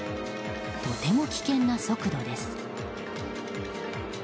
とても危険な速度です。